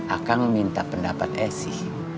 aku minta pendapat esi